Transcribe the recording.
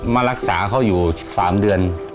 มารักษาเขาอยู่๓เดือน